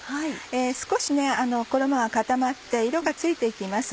少し衣が固まって色がついて行きます。